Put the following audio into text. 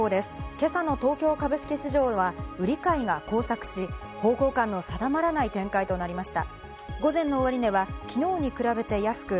今朝の東京株式市場は売り買いが交錯し、方向感の定まらない展開となりました。